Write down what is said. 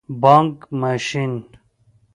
🏧 بانګ ماشین